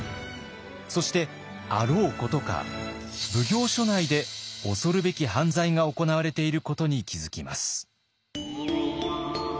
そしてあろうことか奉行所内で恐るべき犯罪が行われていることに気付きます。